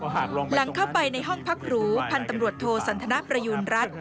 หลังเข้าไปในห้องพักหรูพันธุ์ตำรวจโทสันทนประยูณรัฐ